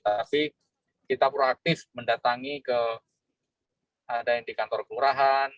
tapi kita proaktif mendatangi ke ada yang di kantor kelurahan